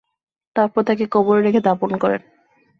তারপর তাঁকে কবরে রেখে দাফন করেন।